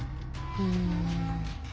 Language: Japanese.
うん。